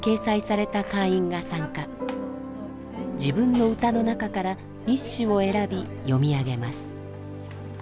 自分の歌の中から一首を選び詠み上げます。